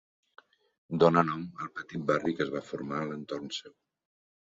Dóna nom al petit barri que es va formar a l'entorn seu.